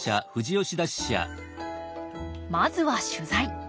まずは取材。